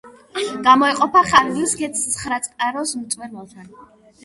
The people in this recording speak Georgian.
გამოეყოფა ხარულის ქედს ცხრაწყაროს მწვერვალთან.